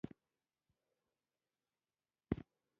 دوه اړخیزه خبرې يا مذاکرات.